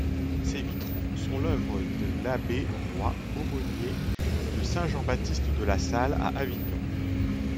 Ses vitraux sont l'œuvre de l'abbé Roy, aumônier de Saint-Jean-Baptiste-de-La-Salle à Avignon.